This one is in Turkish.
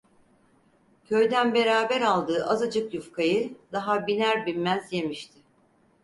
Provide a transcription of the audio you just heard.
Köyden beraber aldığı azıcık yufkayı daha biner binmez yemişti.